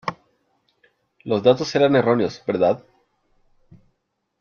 Los datos eran erróneos, ¿verdad?